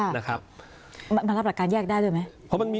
มันรับหลักการแยกได้ด้วยไหม